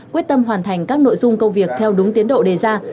quyết tâm hoàn thành các nội dung công việc theo đúng tiến độ đề ra